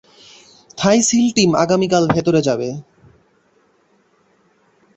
থাই SEAL team আগামীকাল ভেতরে যাবে।